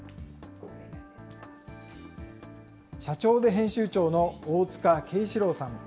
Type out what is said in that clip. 社長で編集長の大塚啓志郎さん。